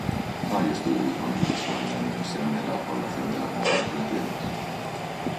No hay estudios disponibles sobre la dimensión de la población de mujeres lesbianas.